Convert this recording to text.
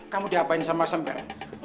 kamu diapain sama samper